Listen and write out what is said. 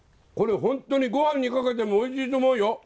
これホントに御飯にかけてもおいしいと思うよ！